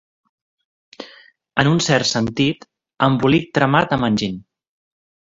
En un cert sentit, embolic tramat amb enginy.